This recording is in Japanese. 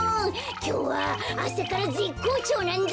きょうはあさからぜっこうちょうなんだ。